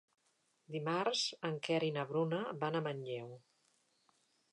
Dimarts en Quer i na Bruna van a Manlleu.